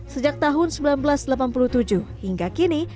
sejak tahun seribu sembilan ratus delapan puluh tujuh hingga kini